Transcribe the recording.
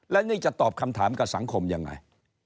และนี่จะตอบคำถามกับสังคมยังไง